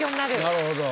なるほど。